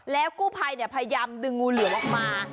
แล้วกู้ภัยพยายามดึงงูเหลือมออกมา